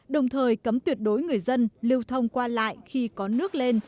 đồng thời cấm tuyệt đối người dân lưu thông qua lại khi có nước lên